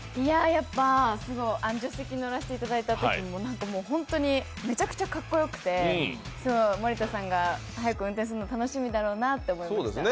やっぱ、助手席乗らせていただいたときも本当にめちゃくちゃかっこよくて、森田さんが早く運転するの楽しみだろうなと思いました。